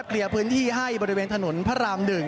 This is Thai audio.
เคลียร์พื้นที่ให้บริเวณถนนพระราม๑